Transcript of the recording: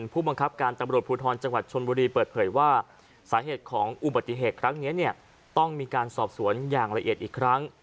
ผู้บังคับการตำรวจภูทรจังหวัดชนบุรีเปิดเผยว่าสาเหตุของอุบัติเหตุครั้งนี้เนี่ยต้องมีการสอบสวนอย่างละเอียดอีกครั้ง